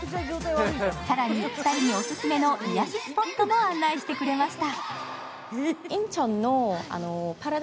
更に２人にオススメの癒やしスポットも案内してくれました。